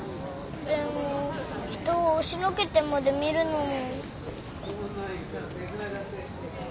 でも人を押しのけてまで見るのも。